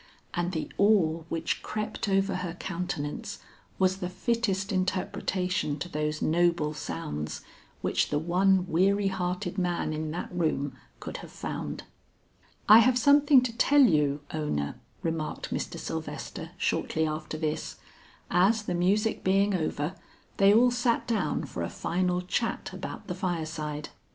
And the awe which crept over her countenance was the fittest interpretation to those noble sounds, which the one weary hearted man in that room could have found. "I have something to tell you, Ona," remarked Mr. Sylvester shortly after this, as the music being over, they all sat down for a final chat about the fireside.